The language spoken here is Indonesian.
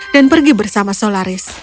dan pergi bersama solaris